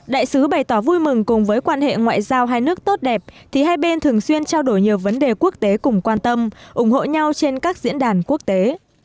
đại sứ bày tỏ vui mừng cùng với quan hệ ngoại giao hai nước tốt đẹp thì hai bên thường xuyên trao đổi nhiều vấn đề quốc tế cùng quan tâm ủng hộ nhau trên các diễn đàn quốc tế